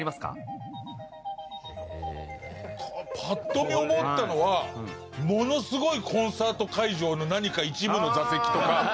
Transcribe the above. パッと見思ったのはものすごいコンサート会場の何か一部の座席とか。